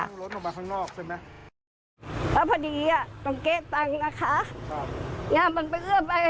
แล้วพอดีตรงเก๊ตังค์นะคะ